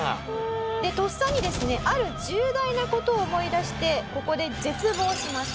でとっさにですねある重大な事を思い出してここで絶望します。